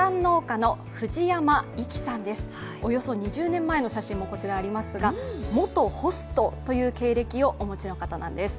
およそ２０年前の写真もこちらにありますが、元ホストという経歴をお持ちの方なんです。